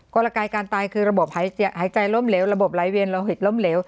กลกายการตายคือระบบหายใจล้มเหลวระบบไหลเวียนโลหิตล้มเหลว